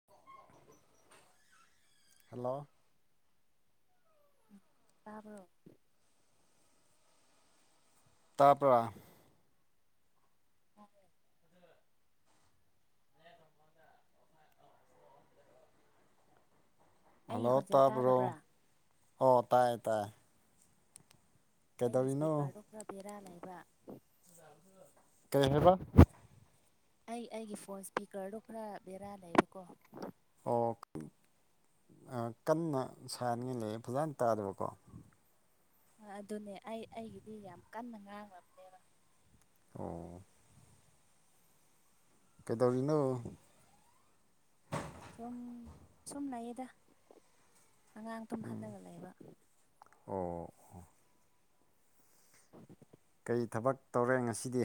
[unintelligible] Hello ꯎꯝ ꯇꯥꯕ꯭ꯔꯣ ꯇꯥꯕ꯭ꯔꯥ ꯇꯥꯔꯦ ꯑꯩꯒꯤ ꯍꯜꯂꯣ ꯈꯣꯟꯖꯦꯜ ꯇꯥꯕ꯭ꯔꯣ ꯇꯥꯗꯕ꯭ꯔꯥ ꯑꯣ ꯇꯥꯏ ꯇꯥꯏ ꯑꯩꯒꯤ ꯀꯩꯗꯧꯔꯤꯅꯣ ꯁ꯭ꯄꯤꯀꯔꯗꯣ ꯈꯔ ꯕꯦꯔꯥ ꯂꯩꯕ ꯀꯩ ꯍꯥꯏꯕ ꯑꯩ ꯑꯩꯒꯤ ꯐꯣꯟ ꯁ꯭ꯄꯤꯀꯔꯗꯣ ꯈꯔ ꯕꯦꯔꯥ ꯂꯩꯕꯀꯣ ꯑꯣ ꯑ ꯀꯟꯅ ꯁꯥꯅꯤꯡꯉ ꯂꯩ ꯐꯖꯟ ꯇꯥꯗꯕꯀꯣ ꯍ ꯑꯗꯨꯅꯦ ꯑꯩ ꯑꯩꯒꯤꯗꯤ ꯌꯥꯝ ꯀꯟꯅ ꯉꯥꯡꯂꯝꯅꯦꯕ ꯑꯣ ꯀꯩꯗꯧꯔꯤꯅꯣ ꯁꯨꯝ ꯁꯨꯝ ꯂꯩꯌꯦꯗ ꯑꯉꯥꯡ ꯇꯨꯝ ꯍꯜꯂꯒ ꯂꯩꯕ ꯑꯣ ꯀꯩ ꯊꯕꯛ ꯇꯧꯔꯦ ꯉꯁꯤꯗꯤ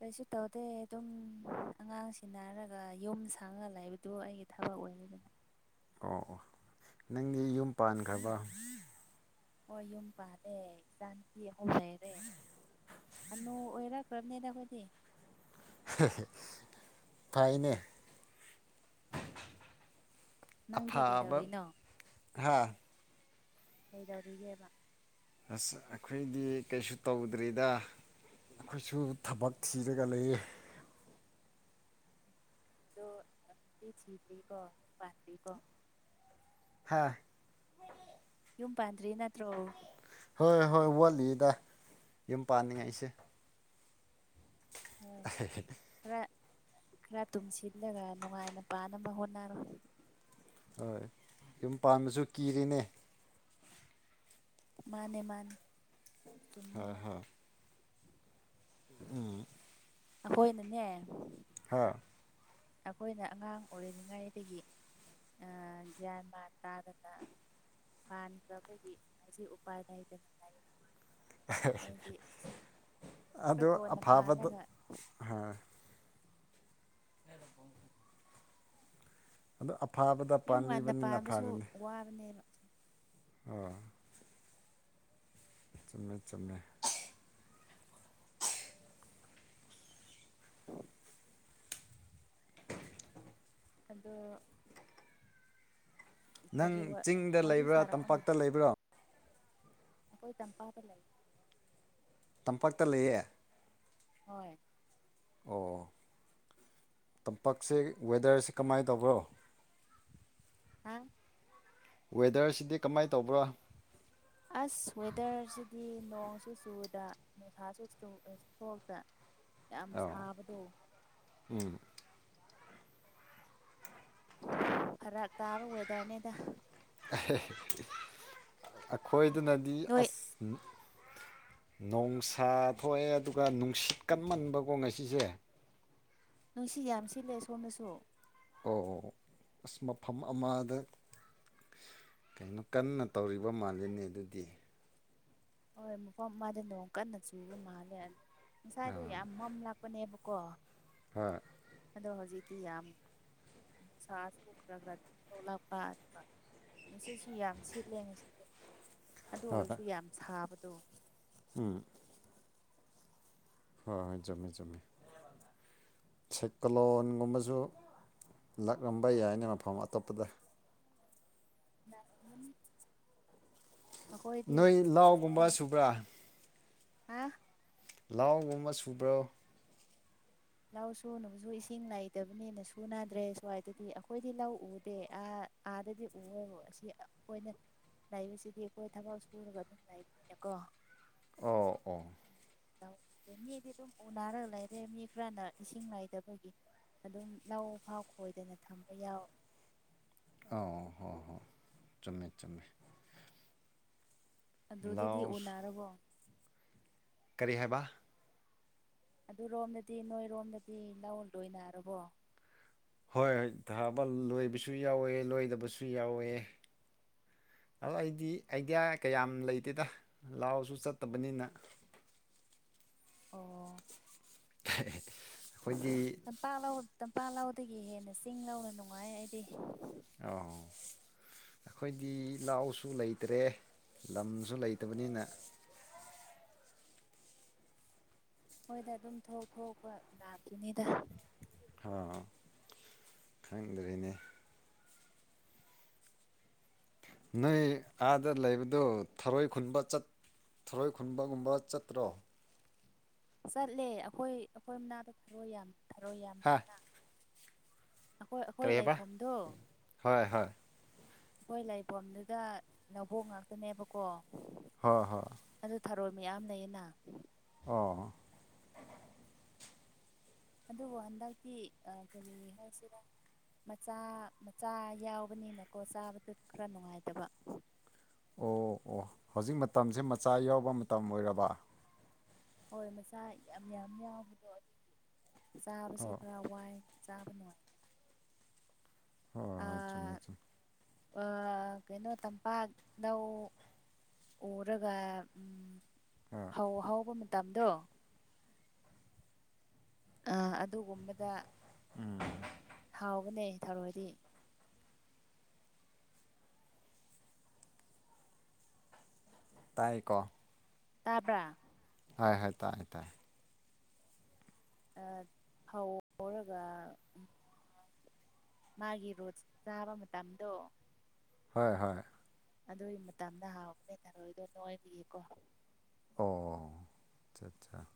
ꯀꯔꯤꯁꯨ ꯇꯧꯗꯦ ꯑꯗꯨꯝ ꯑꯉꯥꯡꯁꯤꯟꯅꯔꯒ ꯌꯨꯝ ꯁꯪꯉ ꯂꯩꯕꯗꯨ ꯑꯩꯒꯤ ꯊꯕꯛ ꯑꯣꯏꯅꯤꯗꯅ ꯑꯣ ꯑꯣ ꯅꯪꯗꯤ ꯌꯨꯝ ꯄꯥꯟꯒ꯭ꯔꯕ ꯑꫭ ꯌꯨꯝ ꯄꯥꯜꯂꯦ ꯏꯆꯥꯅꯨꯄꯤ ꯑꯍꯨꯝ ꯂꯩꯔꯦ ꯍꯅꯨ ꯑꯣꯏꯔꯛꯈ꯭ꯔꯝꯅꯤꯗ ꯑꯩꯈꯣꯏꯗꯤ [unintelligible] ꯐꯥꯏꯅꯦ ꯅꯪꯗꯤ ꯑꯐꯥꯕ ꯀꯩꯗꯧꯔꯤꯅꯣ ꯍꯥ ꯀꯩꯗꯧꯔꯤꯒꯦꯕ ꯑꯁ ꯑꯩꯈꯣꯏꯗꯤ ꯀꯩꯁꯨ ꯇꯧꯗ꯭ꯔꯤꯗ ꯑꯈꯣꯏꯁꯨ ꯊꯕꯛ ꯊꯤꯔꯒ ꯂꯩꯌꯦ ꯑꯗꯣ [unintelligible] ꯊꯤꯗ꯭ꯔꯤꯀꯣ [unintelligible] ꯄꯥꯟꯗ꯭ꯔꯤꯀꯣ ꯍꯥꯥ ꯌꯨꯝ ꯄꯥꯟꯗ꯭ꯔꯤ ꯅꯠꯇ꯭ꯔꯣ ꯍꯣꯏ ꯍꯣꯏ ꯋꯥꯠꯂꯤꯗ ꯌꯨꯝ ꯄꯥꯅꯤꯡꯉꯥꯏꯁꯦ ꯍꯣꯏ [unintelligible] ꯈꯔ ꯈꯔ ꯇꯨꯝꯁꯤꯜꯂꯒ ꯅꯨꯡꯉꯥꯏꯅ ꯄꯥꯟꯅꯕ ꯍꯣꯠꯅꯔꯣ ꯍꯣꯏ ꯌꯨꯝ ꯄꯥꯟꯕꯥꯁꯨ ꯀꯤꯔꯤꯅꯦ ꯃꯥꯅꯦ ꯃꯥꯅꯦ ꯆꯨꯝꯃꯦ ꯍ ꯅꯪ ꯍ ꯎꯝ ꯑꯈꫭꯏꯅꯅꯦ ꯍꯥꯥ ꯑꯩꯈꯣꯏꯅ ꯑꯉꯥꯡ ꯑꯣꯏꯔꯤꯉꯩꯗꯒꯤ ꯑ ꯒ꯭ꯌꯥꯟ ꯃꯥꯟ ꯇꯥꯗꯅ ꯄꯥꯟꯈ꯭ꯔꯕꯒꯤ ꯍꯧꯖꯤꯛ ꯎꯄꯥꯏ ꯂꯩꯇꯦ [unintelligible] [unintelligible] ꯈꯔ ꯑꯗꯣ ꯀꯣꯟꯅ ꯑꯐꯥꯕꯗꯣ ꯄꯥꯜꯂꯒ ꯍ ꯑꯗꫭ ꯑꯐꯥꯕꯗ ꯌꯨꯝ ꯉꯟꯅ ꯄꯥꯟꯂꯤꯕꯅꯤꯅ ꯄꯥꯟꯕꯁꯨ ꯐꯔꯦꯅꯦ ꯋꯥꯕꯅꯦꯕ ꯑꯥ ꯆꯨꯝꯃꯦ ꯆꯨꯝꯃꯦ ꯑꯗꯣ ꯅꯪ ꯀꯔꯤ ꯋꯥ ꯆꯤꯡꯗ ꯋꯥꯔꯤ ꯂꯩꯕ꯭ꯔꯥ ꯁꯥꯔꯛꯑꯣꯅꯦ ꯇꯝꯄꯥꯛꯇ ꯂꯩꯕ꯭ꯔꯥ ꯑꯩꯈꯣꯏ ꯇꯝꯄꯥꯛꯗ ꯂꯩ ꯇꯝꯄꯥꯛꯇ ꯂꯩꯌꯦꯦ ꯍꯣꯏ ꯑꯣ ꯇꯝꯄꯥꯛꯁꯦ ꯋꯦꯗꯔꯁꯦ ꯀꯃꯥꯏꯅ ꯇꯧꯕ꯭ꯔꯣ ꯍꯥꯥ ꯋꯦꯗꯔꯁꯤꯗꯤ ꯀꯃꯥꯏꯅ ꯇꯧꯕ꯭ꯔꯥ ꯑꯁ ꯋꯦꯗꯔꯁꯤꯗꯤ ꯅꯣꯡꯁꯨ ꯆꯨꯗ ꯅꯣꯡꯁꯥꯁꯨ ꯆꯨ ꯏꯁ ꯊꯣꯛꯇ ꯌꯥꯝ ꯁꯥꯕꯗꯣ ꯎꯝ ꯐꯔꯛ ꯇꯥꯕ ꯋꯦꯗꯔꯅꯦꯗ ꯑꯦꯍꯦ ꯑꯈꯣꯏꯗꯅꯗꯤ ꯅꯣꯏ ꯑꯁ ꯅꯣꯡꯁꯥ ꯊꯣꯛꯑꯦ ꯑꯗꯨꯒ ꯁꯤꯠ ꯀꯟꯃꯟꯕꯀꯣ ꯉꯁꯤꯁꯦ ꯅꯨꯡꯁꯤ ꯌꯥꯝ ꯁꯤꯠꯂꯦ ꯁꯣꯝꯅꯁꯨ ꯑꯣ ꯑꯣ ꯑꯣ ꯑꯁ ꯃꯐꯝ ꯑꯃꯗ ꯀꯩꯅꯣ ꯀꯟꯅ ꯇꯧꯔꯤꯕ ꯃꯥꯜꯂꯤꯅꯦ ꯑꯗꯨꯗꯤ ꯍꯣꯏ ꯃꯐꯝ ꯑꯃꯗ ꯅꯣꯡ ꯀꯟꯅ ꯆꯨꯕ ꯃꯥꯜꯂꯦ ꯑꯗꯣ ꯉꯁꯥꯏꯗꯣ ꯌꯥꯝ ꯃꯝ ꯂꯥꯛꯄꯅꯦꯕꯀꯣ ꯍꯣꯏ ꯑꯗꯣ ꯍꯧꯖꯤꯛꯇꯤ ꯌꯥꯝ ꯅꯨꯡꯁꯥꯁꯨ ꯈ꯭ꯔ ꯈꯔ ꯑꯗꯨꯝ ꯊꯣꯛꯂꯛꯄ ꯑꯗꯨꯒ ꯉꯁꯤꯠꯁꯨ ꯌꯥꯝ ꯁꯤꯠꯂꯦ ꯉꯁꯤꯁꯦ ꯑꯗꯨ ꯍꯣꯏ ꯑꯣꯏꯔꯁꯨ ꯌꯥꯝ ꯁꯥꯕꯗꯣ ꯎꯝ ꯍꯣꯏ ꯍꯣꯢ ꯆꯨꯝꯃꯦ ꯆꯨꯝꯃꯦ ꯁꯦꯀꯂꯣꯟꯒꯨꯝꯕꯁꯨ ꯂꯥꯛꯂꯝꯕ ꯌꯥꯏꯅꯦ ꯃꯐꯝ ꯑꯇꯣꯞꯄꯗ ꯂꯥꯑꯝꯒꯅꯤ ꯅꯣꯏ ꯂꯥꯎꯒꯨꯝꯕ ꯏꯁꯣꯔꯅ ꯁꯨꯕ꯭ꯔꯥ ꯍꯥ ꯂꯥꯎ ꯒꯨꯝꯕ ꯁꯨꯕ꯭ꯔꯣ ꯂꯧ ꯁꯨꯅꯕꯁꯨ ꯏꯁꯤꯡ ꯂꯩꯇꯕꯅꯤꯅ ꯁꯨꯅꯗ꯭ꯔꯦ ꯁ꯭ꯋꯥꯏꯗꯗꯤ ꯑꯩꯈꯣꯏꯗꯤ ꯂꯧ ꯎꯗꯦ ꯑꯥ ꯑꯥꯗꯗꯤ ꯎꯋꯦ ꯍꯣ ꯑꯁꯤ ꯈꯣꯏꯅ ꯂꯩꯕꯁꯤꯗꯤ ꯑꯩꯈꯣꯏ ꯊꯕꯛ ꯁꯨꯔꯒ ꯑꯗꯨꯝ ꯂꯩꯕꯅꯤꯅꯀꯣ ꯑꯣ ꯑꯣ ꯂꯧ ꯃꯤꯗꯤ ꯑꯗꯨꯝ ꯎꯅꯔꯒ ꯂꯩꯔꯦ ꯃꯤ ꯈꯔꯅ ꯏꯁꯤꯡ ꯂꯩꯗꯕꯒꯤ ꯑꯗꯨꯝ ꯂꯧ ꯐꯥꯎ ꯈꯣꯏꯗꯅ ꯊꯝꯕ ꯌꯥꯎ ꯑꯥꯎ ꯍꯣꯏ ꯍꯣꯏ ꯆꯨꯝꯃꯦ ꯆꯨꯝꯃꯦ ꯑꯗꯨꯗꯗꯤ ꯂꯥꯎ ꯎꯅꯔꯕꯣ ꯀꯔꯤ ꯍꯥꯏꯕ ꯑꯗꯨꯔꯣꯝꯗꯗꯤ ꯅꯣꯏꯔꯣꯝꯗꯗꯤ ꯂꯧ ꯂꯣꯏꯅꯔꯕꯣ ꯍꯣꯏ ꯊꯥꯕ ꯂꯣꯏꯕꯁꯨ ꯌꯥꯎꯋꯦ ꯂꯣꯏꯗꯕꯁꯨ ꯌꯥꯎꯋꯦ ꯑꯗꯣ ꯑꯩꯗꯤ ꯑꯥꯏꯗꯤꯌꯥ ꯀꯌꯥꯝ ꯂꯩꯇꯦꯗ ꯂꯥꯎꯁꯨ ꯆꯠꯇꯕꯅꯤꯅ ꯑꯣ ꯑꯩꯈꯣꯏꯗꯤ ꯄꯥꯛ ꯂꯧ ꯇꯝꯄꯥꯛ ꯂꯧꯗꯒꯤ ꯍꯦꯟꯅ ꯆꯤꯡ ꯂꯧꯅ ꯅꯨꯡꯉꯥꯏꯌꯦ ꯑꯩꯗꯤ꯫ ꯑꯣ꯫ ꯑꯩꯈꯣꯏꯗꯤ ꯂꯥꯎꯁꯨ ꯂꯩꯇ꯭ꯔꯦ ꯂꯝꯁꯨ ꯂꯩꯇꯕꯅꯤꯅ꯫ ꯍꯣꯏꯗ ꯑꯗꯨꯝ ꯊꯣꯛ ꯊꯣꯛꯄ ꯂꯥꯛꯈꯤꯅꯤꯗ꯫ ꯑ ꯈꯪꯗ꯭ꯔꯤꯅꯦ꯫ ꯅꯣꯏ ꯑꯥꯗ ꯂꯩꯕꯗꯨ ꯊꯔꯣꯏ ꯈꯨꯟꯕ ꯆꯠ ꯊꯔꯣꯏ ꯈꯨꯟꯕꯒꯨꯝꯕ ꯆꯠꯇ꯭ꯔꯣ꯫ ꯆꯠꯂꯦ ꯑꯩꯈꯣꯏ ꯑꯩꯈꯣꯏ ꯃꯅꯥꯗꯣ ꯊꯔꯣꯏ ꯌꯥꯝ ꯊꯔꯣꯏ ꯌꯥꯝ ꯍꯥ ꯂꯩꯅ꯫ ꯑꯩꯈꯣꯏ ꯑꯩꯈꯣꯏ ꯀꯔꯤꯕ ꯂꯩꯐꯝꯗꯣ ꯍꯣꯏ ꯍꯣꯏ ꯑꯩꯈꯣꯏ ꯂꯩꯐꯝꯗꯨꯗ ꯂꯧꯕꯣꯡ ꯉꯥꯛꯇꯅꯦꯕꯀꯣ꯫ ꯍꯣꯏ ꯍꯣꯏ꯫ ꯑꯗꯨ ꯊꯥꯔꯣꯏ ꯃꯌꯥꯝ ꯂꯩꯌꯦꯅ꯫ ꯑꯣ꯫ ꯑꯗꯨꯕꯨ ꯍꯟꯗꯛꯇꯤ ꯀꯔꯤ ꯍꯥꯏꯁꯤꯔꯥ꯫ ꯃꯆꯥ ꯃꯆꯥ ꯌꯥꯎꯕꯅꯤꯅꯀꯣ ꯆꯥꯕꯗꯨ ꯈꯔ ꯅꯨꯡꯉꯥꯏꯇꯕ꯫ ꯑꯣ ꯑꯣ ꯍꯧꯖꯤꯛ ꯃꯇꯝꯁꯦ ꯃꯆꯥ ꯌꯥꯎꯕ ꯃꯇꯝ ꯑꯣꯏꯔꯕ꯫ ꯍꯣꯏ ꯃꯆꯥ ꯌꯥꯝ ꯌꯥꯝ ꯌꯥꯎꯕꯗꯣ ꯑꯗꯨꯒꯤ ꯆꯥꯕꯁꯦ ꯑꯣ ꯈꯔ ꯋꯥꯏ ꯆꯥꯕ ꯅꯨꯡꯉꯥꯏ꯫ ꯍꯣꯏ ꯍꯣꯏ ꯆꯨꯝꯃꯦ ꯑꯥ ꯆꯨꯝꯃꯦ ꯑ ꯀꯩꯅꯣ ꯇꯝꯄꯥꯛ ꯅꯧ ꯑꯣꯔꯒ ꯎꯝ ꯍꯥ ꯐꯧ ꯍꯧꯕ ꯃꯇꯝꯗꯣ꯫ ꯑ ꯑꯗꯨꯒꯨꯝꯕꯗ꯫ ꯎꯝ꯫ ꯍꯥꯎꯕꯅꯦ ꯊꯔꯣꯏꯗꯤ꯫ ꯇꯥꯏꯀꯣ꯫ ꯇꯥꯕ꯭ꯔꯥ꯫ ꯍꯣꯏ ꯍꯣꯏ ꯇꯥꯏꯑꯦ ꯇꯥꯏꯑꯦ꯫ ꯑꯥ ꯐꯧ ꯍꯧꯔꯒ ꯎ ꯃꯥꯒꯤ ꯔꯣꯠ ꯆꯥꯕ ꯃꯇꯝꯗꯣ꯫ ꯍꯣꯏ ꯍꯣꯏ꯫ ꯑꯗꯨꯒꯤ ꯃꯇꯝꯗ ꯍꯥꯎꯕꯅꯦ ꯊꯔꯣꯏꯗꯣ ꯅꯣꯏꯕꯒꯤꯀꯣ꯫ ꯑꯣ ꯑꯆꯥ ꯆꯥ꯫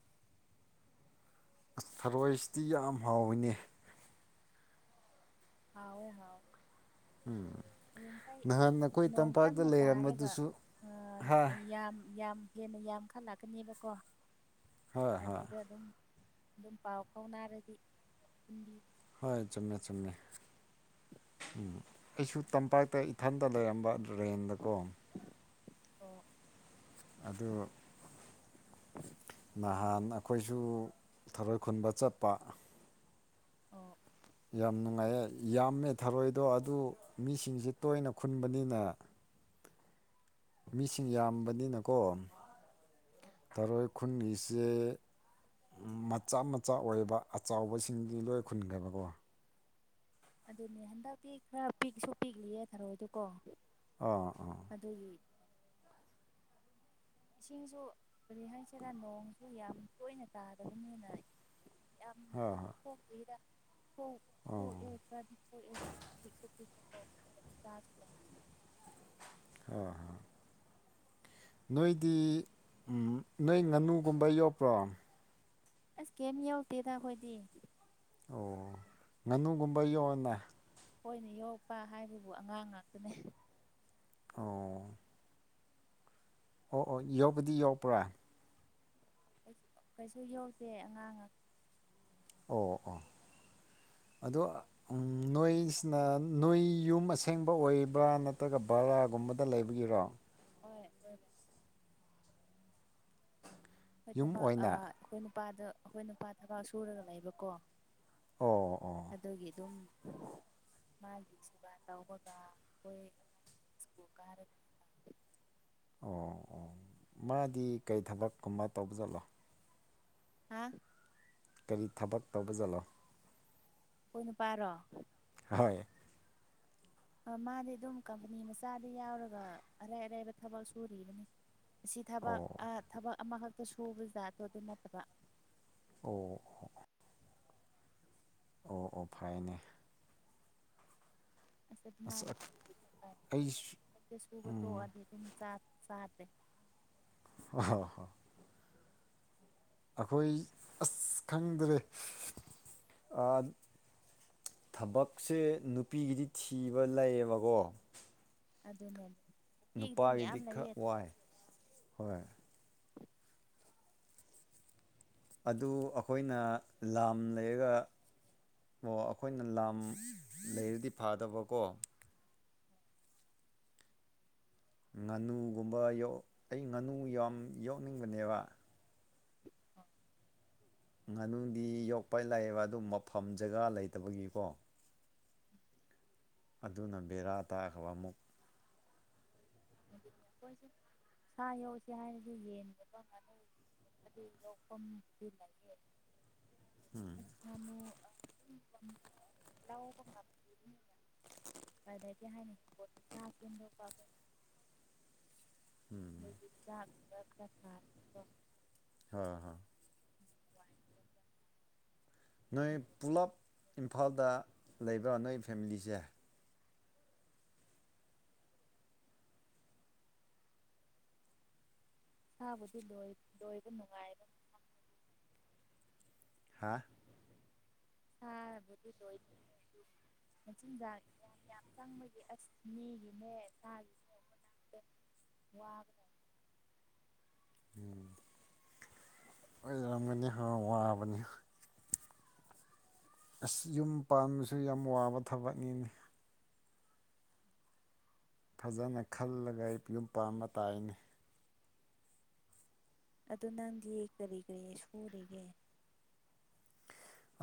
ꯑꯁ ꯊꯔꯣꯏꯁꯤꯗꯤ ꯌꯥꯝ ꯍꯥꯎꯋꯤꯅꯦ꯫ ꯍꯥꯎꯋꯦ ꯍꯥꯎꯋꯦ꯫ ꯎꯝ꯫ ꯍꯌꯦꯡꯈꯩ ꯅꯣꯡ ꯀꯟꯅ ꯇꯥꯔꯒ ꯂꯩꯔꯝꯕꯗꯨꯁꯨ ꯑꯥ ꯍꯥ ꯌꯥꯝ ꯌꯥꯝ ꯍꯦꯟꯅ ꯌꯥꯝꯈꯜꯂꯛꯀꯅꯦꯕꯀꯣ ꯍꯣꯏ ꯍꯣꯏ ꯑꯗꯨꯗ ꯑꯗꯨꯝ꯫ ꯑꯗꯨꯝ ꯄꯥꯎ ꯐꯥꯎꯅꯔꯗꯤ ꯊꯤꯟꯕꯤ ꯍꯣꯏ ꯆꯨꯝꯃꯦ ꯆꯨꯝꯃꯦ ꯎꯝ ꯑꯩꯁꯨ ꯇꯝꯄꯥꯛꯇ ꯏꯊꯟꯇ ꯂꯩꯔꯝꯕ ꯑ ꯇꯨꯔꯦꯟꯗꯀꯣ꯫ ꯑꯣ꯫ ꯑꯗꯨ ꯅꯍꯥꯟ ꯑꯩꯈꯣꯏꯁꯨ ꯊꯔꯣꯏ ꯈꯨꯟꯕ ꯆꯠꯄ꯫ ꯑꯣ ꯌꯥꯝ ꯅꯨꯡꯉꯥꯏꯌꯦ ꯌꯥꯝꯃꯦ ꯊꯔꯣꯏꯗꯣ ꯑꯗꯨ ꯃꯤꯁꯤꯡꯁꯦ ꯇꯣꯏꯅ ꯈꯨꯟꯕꯅꯤꯅ ꯃꯤꯁꯤꯡ ꯌꯥꯝꯕꯅꯤꯅꯀꯣ ꯊꯔꯣꯏ ꯈꯨꯟꯒꯤꯁꯦ ꯃꯆꯥ ꯃꯆꯥ ꯑꯣꯏꯕ ꯑꯆꯥꯎꯕꯁꯤꯡꯗꯤ ꯂꯣꯏ ꯈꯨꯨꯟꯈ꯭ꯔꯦꯕꯀꯣ꯫ ꯑꯗꯨꯅꯦ ꯍꯟꯗꯛꯇꯤ ꯈꯔ ꯄꯤꯛꯁꯨ ꯄꯤꯛꯂꯤꯌꯦ ꯊꯔꯣꯏꯗꯨꯀꯣ꯫ ꯑꯥ ꯑꯥ꯫ ꯑꯗꯨꯒꯤ ꯏꯁꯤꯡꯁꯨ ꯀꯔꯤ ꯍꯥꯏꯁꯤꯔꯥ ꯅꯣꯡꯁꯨ ꯌꯥꯝ ꯇꯣꯏꯅ ꯇꯥꯗꯕꯅꯤꯅ ꯌꯥꯝ꯫ ꯍꯣꯏ ꯍꯣꯏ꯫ ꯑꯣ [unintelligible] [unintelligible] ꯏꯟꯁꯥꯡ ꯅꯨꯡꯉꯥꯏꯇꯕ ꯍꯟꯗꯛꯀꯤ ꯑꯥ ꯍꯥ ꯅꯣꯏꯗꯤ ꯅꯣꯏ ꯉꯥꯅꯨꯒꯨꯝꯕ ꯌꯣꯛꯄ꯭ꯔꯣ꯫ ꯑꯁ ꯀꯩꯝ ꯌꯣꯛꯇꯦꯗ ꯑꯩꯈꯣꯏꯗꯤ꯫ ꯑꯣ ꯉꯥꯅꯨꯒꯨꯝꯕ ꯌꯣꯛꯎꯅ ꯈꯣꯏꯅ ꯌꯣꯛꯛꯄ ꯍꯥꯏꯕꯕꯨ ꯑꯉꯥꯡ ꯉꯥꯛꯇꯅꯦ꯫ ꯑꯣ꯫ ꯑꯣ ꯑꯣ ꯌꯣꯛꯄꯗꯤ ꯌꯣꯛꯄ꯭ꯔꯥ꯫ ꯀꯩꯁꯨ ꯌꯣꯛꯇꯦ ꯑꯉꯥꯡ ꯉꯥ ꯑꯣ ꯑꯣ ꯑꯗꯣ ꯅꯣꯏꯁꯤꯅ ꯅꯣꯏ ꯌꯨꯝ ꯑꯁꯦꯡꯕ ꯑꯣꯏꯕ꯭ꯔꯥ ꯅꯠꯇ꯭ꯔꯒ ꯕꯔꯥꯒꯨꯝꯕꯗ ꯂꯩꯕꯒꯤꯔꯣ꯫ ꯍꯣꯏ [unintelligible] ꯑꯩꯈꯣꯏ ꯌꯨꯝ ꯊꯕꯥꯛ ꯑꯣꯏꯅ ꯑꯩꯈꯣꯏ ꯅꯨꯄꯥꯗ ꯑꯩꯈꯣꯏ ꯅꯨꯄꯥ ꯊꯕꯥꯛ ꯁꯨꯔꯒ ꯂꯩꯕꯀꯣ ꯑꯣ ꯑꯣ ꯑꯗꯨꯒꯤ ꯑꯗꯨꯝ ꯃꯥꯒꯤ ꯁꯦꯕꯥ ꯇꯧꯕꯒ ꯑꯩꯈꯣꯏ ꯁ꯭ꯀꯨꯜ ꯀꯥꯔꯤ ꯑꯣ ꯑꯣ ꯃꯥꯗꯤ ꯀꯩ ꯊꯕꯛꯀꯨꯝꯕ ꯇꯧꯕ ꯖꯥꯠꯂꯣ꯫ ꯍꯥ꯫ ꯀꯔꯤ ꯊꯕꯛ ꯇꯧꯕ ꯖꯥꯠꯂꯥ꯫ ꯑꯩꯈꯣꯏ ꯅꯨꯄꯥꯔꯣ꯫ ꯍꯣꯏ꯫ ꯃꯥꯗꯤ ꯑꯗꯨꯝ ꯀꯝꯄꯅꯤ ꯃꯆꯥꯗ ꯌꯥꯎꯔꯒ ꯑꯔꯩ ꯑꯔꯩꯕ ꯊꯕꯛ ꯁꯨꯔꯤꯕꯅꯤ꯫ ꯁꯤ ꯊꯕꯛ ꯑꯣ ꯑꯥ ꯊꯕꯛ ꯑꯃꯈꯛꯇ ꯁꯨꯕꯖꯠꯇꯣ ꯑꯗꯨ ꯅꯠꯇꯕ꯫ ꯑꯣ꯫ ꯑꯣ ꯑꯣ ꯐꯩꯌꯦꯅꯦ ꯑꯁ ꯑꯗꯨꯃꯥꯏꯅ ꯑꯩꯁꯨ [unintelligible] ꯁꯨꯕ ꯎꯝ ꯇꯣꯛꯑꯗꯤ ꯑꯗꯨꯝ ꯆꯥꯛ ꯆꯥꯗ꯭ꯔꯦ꯫ ꯑꯣ ꯑꯩꯈꯣꯏ ꯑꯁ ꯈꯪꯗ꯭ꯔꯦ ꯑꯥ ꯊꯕꯛꯁꯦ ꯅꯨꯄꯤꯒꯤꯗꯤ ꯊꯤꯕ ꯂꯩꯌꯦꯕꯀꯣ ꯑꯗꯨꯅꯦ꯫ ꯅꯨꯄꯤꯒꯤꯗꯤ ꯃꯌꯥꯝ ꯅꯨꯄꯥꯒꯤꯗꯤ ꯈꯔꯛ ꯂꯩꯌꯦ ꯋꯥꯏ ꯊꯕꯛꯁꯦ ꯍꯣꯏ꯫ ꯑꯗꯨ ꯑꯩꯈꯣꯏꯅ ꯂꯥꯝ ꯂꯩꯔꯒ ꯑꯣ ꯑꯩꯈꯣꯏꯅ ꯂꯥꯝ ꯂꯩꯔꯗꯤ ꯐꯥꯗꯧꯕꯀꯣ ꯉꯥꯅꯨꯒꯨꯝꯕ ꯌꯣꯛ ꯑꯩ ꯉꯥꯅꯨ ꯌꯥꯝ ꯌꯣꯛꯅꯤꯡꯕꯅꯦꯕ [unintelligible] ꯉꯥꯅꯨꯗꯤ ꯌꯣꯛꯄ ꯂꯥꯏꯌꯦꯕ ꯑꯗꯨ ꯃꯐꯝ ꯖꯒꯥ ꯂꯩꯇꯕꯒꯤꯀꯣ ꯑꯗꯨꯅ ꯕꯦꯔꯥ ꯇꯥꯈ꯭ꯔꯕ ꯑꯃꯨꯛ꯫ ꯑꯗꯨ [unintelligible] ꯑꯈꯣꯏꯁꯦ ꯁꯥ ꯌꯣꯛꯁꯦ ꯍꯥꯏꯔꯗꯤ ꯌꯦꯟꯒꯨꯝꯕ ꯉꯥꯅꯨ [unintelligible] ꯗꯤ ꯌꯣꯛꯐꯝꯕꯨꯗꯤ ꯂꯩꯌꯦ꯫ ꯎꯝ꯫ ꯑꯁ ꯉꯥꯅꯨ ꯑ [inaudible] ꯂꯧꯕ ꯉꯝꯗꯦ꯫ [inaudible] ꯑꯗꯒꯤ [inaudible] ꯎꯝ꯫ [inaudible] ꯆꯥꯛ ꯈꯔ ꯈꯔ ꯊꯥꯏ ꯍꯥ ꯍ ꯍꯋꯥꯏꯒꯨꯝꯕ ꯈꯔ ꯊꯥꯔꯒ ꯅꯣꯏ ꯍꯤꯡꯒꯣꯜꯗ ꯄꯨꯂꯞ ꯏꯝꯐꯥꯜꯗ ꯂꯩꯕ꯭ꯔꯥ ꯅꯣꯏ ꯐꯦꯃꯤꯂꯤꯁꯦ? ꯊꯥꯕꯨꯗꯤ ꯂꯣꯏ ꯂꯣꯏꯕ ꯅꯨꯡꯉꯥꯏꯕ ꯃꯐꯝꯅꯤ ꯍꯥ ꯊꯥꯔ ꯕꯨꯗꯤ ꯂ‌ꯣꯏ [inaudible] ꯃꯆꯤꯟꯖꯥꯛ ꯌꯥꯝ ꯌꯥꯝ ꯆꯪꯕꯒꯤ ꯑꯁ ꯃꯤꯒꯤꯅꯦ [unintelligible] [inaudible] ꯋꯥ [inaudible] ꯎꯝ ꯑꯣꯏꯔꯝꯒꯅꯤ ꯍ‌ꯣ ꯋꯥꯕꯅꯤ ꯫ ꯑꯁ ꯌꯨꯝ ꯄꯥꯟꯕꯁꯨ ꯌꯥꯝ ꯋꯥꯕ ꯊꯕꯛꯅꯤꯅ‌ꯦ ꯫ ꯐꯖꯅ ꯈꯜꯂꯒ ꯑꯩ ꯌꯨꯝ ꯄꯥꯟꯕ ꯇꯥꯏꯅ‌ꯦ ꯫ ꯑꯗꯨ ꯅꯪꯗꯤ ꯀꯔꯤ ꯀꯔꯤ ꯁꯨꯔꯤꯒꯦ?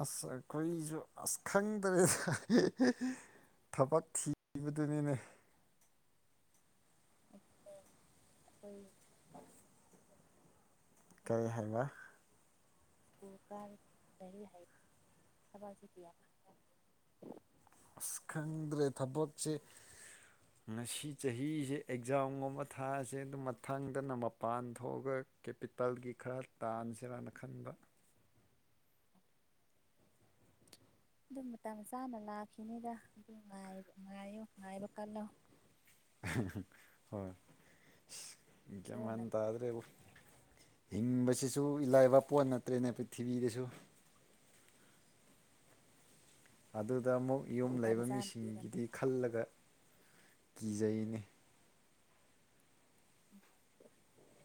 ꯑꯁ ꯑꯈꯣꯏꯖꯨ ꯑꯁ ꯈꯪꯗ꯭ꯔꯦ ꯫ ꯊꯕꯛ ꯊꯤꯕꯗꯨꯅꯤꯅꯦ ꯑꯗ‌ꯨꯅ‌ꯦ ꯑꯈ‌ꯣꯏ ꯀꯔꯤ ꯍꯥꯏꯕ [unintelligible] ꯑꯁ ꯈꯪꯗ꯭ꯔꯦ ꯊꯕꯛꯁꯦ [inaudible] ꯉꯁꯤ ꯆꯍꯤꯁꯦ ꯑꯦꯛꯖꯥꯝꯒꯨꯝꯕ ꯊꯥꯁꯦ ꯑꯗꯨ ꯃꯊꯪꯗꯅ ꯃꯄꯥꯟ ꯊꯣꯛꯑꯒ ꯀꯦꯄꯤꯇ‌ꯜꯒꯤ ꯈꯔ ꯇꯥꯟꯁꯤꯔꯅ ꯈꯟꯕ ꯑꯗꯨ ꯃꯇꯝ ꯆꯥꯅ ꯂꯥꯛꯈꯤꯅꯤꯗ ꯑꯗꯨ ꯉꯥꯏꯕ ꯉꯥꯏꯌꯨ ꯉꯥꯏꯕ ꯀꯜꯂꯣ ꯫ [unintelligible] ꯍꯣꯏ ꯏꯁ ꯒꯤꯌꯥꯟ ꯏꯁꯣꯔꯅ ꯃ‌ꯦꯟ ꯇꯥꯗ꯭ꯔꯦꯕ‌ꯣ ꯍꯤꯡꯕꯁꯤꯁꯨ ꯏꯂꯥꯏꯕ ꯄꯣꯠ ꯅꯠꯇ꯭ꯔꯦꯅꯦ ꯄ꯭ꯔꯤꯊꯤꯕꯤꯗꯁꯨ ꯫ ꯑꯗꯨꯗ ꯑꯃꯨꯛ ꯌꯨꯝ ꯃꯇꯝ ꯂꯩꯕ ꯆꯥꯅ ꯃꯤꯁꯤꯡꯒꯤꯗꯤ ꯄꯤꯔꯛꯀꯅꯤꯗ ꯈꯜꯂꯒ ꯀꯤꯖꯩꯅꯤ ꯫ [inaudible]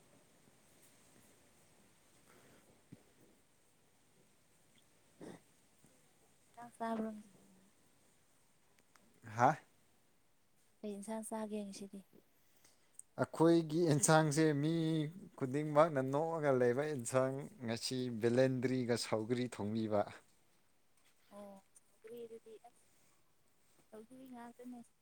ꯆꯥꯛ ꯆꯥ [unintelligible] ꯍꯥ ꯀꯩ ꯏꯟꯁꯥꯡ ꯆꯥꯒꯦ ꯉꯁꯤꯗꯤ? ꯑꯈꯣꯏꯒꯤ ꯑꯦꯟꯁꯥꯡꯁꯦ ꯃꯤ ꯈꯨꯗꯤꯡꯃꯛꯅ ꯅꯣꯛꯑꯒ ꯂꯩꯕ ꯑ‌ꯦꯟꯁꯥꯡ ꯉꯁꯤ ꯕꯦꯂꯟꯗ꯭ꯔꯤꯒ ꯁꯥꯎꯒ꯭ꯔꯤ ꯊꯣꯡꯕꯤꯕ ꯑꯣ ꯀ꯭ꯔꯤ ꯑꯗꯨꯗꯤ ꯑꯁ ꯁꯧꯒ꯭ꯔꯤ ꯉꯥꯛꯇꯅꯦ ꯫